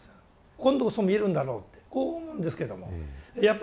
今度こそ見えるんだろうってこう思うんですけどもやっぱり見えてこない。